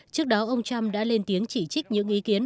trước đó ông trump đã lên tiếng chỉ trích những ý kiến